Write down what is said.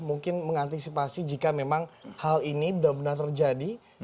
mungkin mengantisipasi jika memang hal ini benar benar terjadi